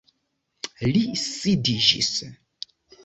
Li sidiĝis.